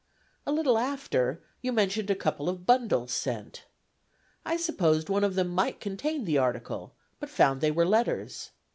A little after, you mentioned a couple of bundles sent. I supposed one of them might contain the article, but found they were letters.